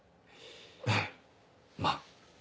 ええまぁ。